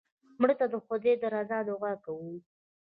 مړه ته د خدای د رضا دعا کوو